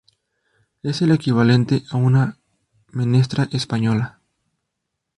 Es el equivalente a una menestra española.